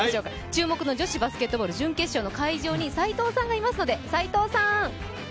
注目の女子バスケットボール準決勝の会場に斎藤さんがいます。